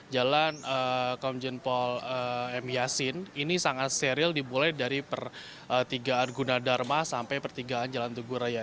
jalan komjen pol m yasin ini sangat steril dibulai dari pertigaan gunadharma sampai pertigaan jalan tugur raya